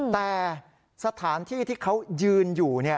แต่สถานที่ที่เขายืนอยู่